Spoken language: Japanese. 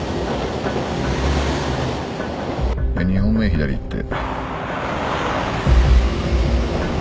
２本目左行って。